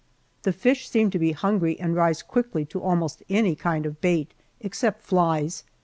The fish seem to be hungry and rise quickly to almost any kind of bait except flies.